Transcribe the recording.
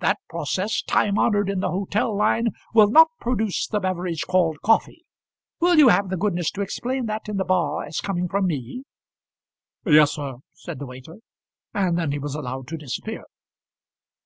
That process, time honoured in the hotel line, will not produce the beverage called coffee. Will you have the goodness to explain that in the bar as coming from me?" "Yes, sir," said the waiter; and then he was allowed to disappear.